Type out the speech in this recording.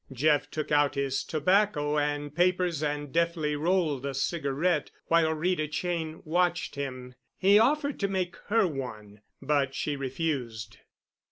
Jeff took out his tobacco and papers and deftly rolled a cigarette, while Rita Cheyne watched him. He offered to make her one, but she refused.